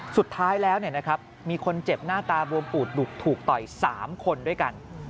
สุดท้ายแล้วนะครับมีคนเจ็บหน้าตาววมอุดถูกต่อย๓คนด้วยกัน